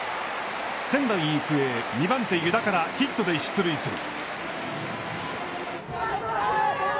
仙台育英、２番手湯田からヒットで出塁する。